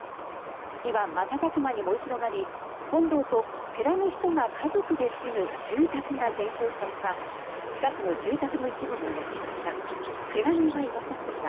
火は瞬く間に燃え広がり本堂と、寺の人が家族で住む住宅が全焼したほか近くの住宅の一部も焼けました。